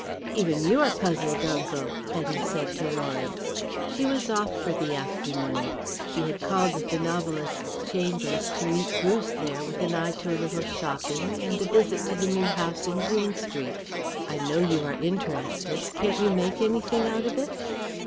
"Even you are puzzled, uncle," Hetty said to Lawrence. She was off for the afternoon; she had called at the novelist's chambers to meet Bruce there with an eye to a little shopping and a visit to the new house in Green Street. "I know you are interested. Can't you make anything out of it?"